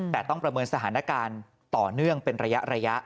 แต่ต้องประเมินสถานการณ์ต่อเนื่องเป็นระยะ